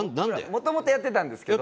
もともとやってたんですけど。